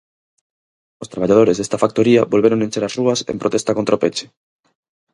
Os traballadores desta factoría volveron encher as rúas en protesta contra o peche.